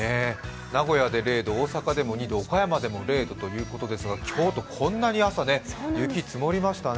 名古屋で０度、大阪でも２度岡山でも０度ということですが、京都、こんなに朝、雪、積もりましたね。